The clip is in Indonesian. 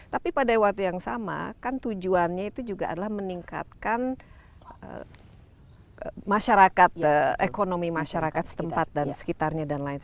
tapi pada waktu yang sama kan tujuannya itu juga adalah meningkatkan masyarakat ekonomi masyarakat setempat dan sekitarnya dan lain